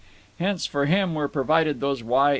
Hence, for him were provided those Y.